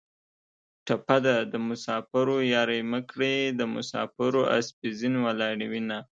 ټپه ده: د مسافرو یارۍ مه کړئ د مسافرو اسپې زین ولاړې وینه